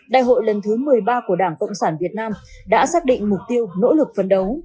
đại hội lần thứ một mươi ba của đảng cộng sản việt nam đã xác định mục tiêu nỗ lực phấn đấu